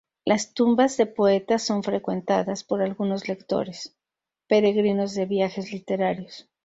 Las tumbas de poetas son frecuentadas por algunos lectores, peregrinos de viajes literarios.